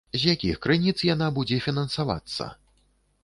З якіх крыніц яна будзе фінансавацца?